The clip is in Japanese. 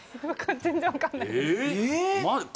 全然分かんないえっ！